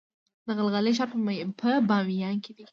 د غلغلې ښار په بامیان کې دی